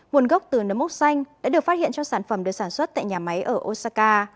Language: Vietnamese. nguồn gốc từ nấm mốc xanh đã được phát hiện cho sản phẩm được sản xuất tại nhà máy ở osaka